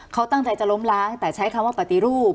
เขาตั้งใจจะล้มล้างแต่ใช้คำว่าปฏิรูป